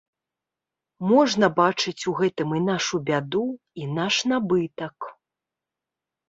Можна бачыць у гэтым і нашу бяду, і наш набытак.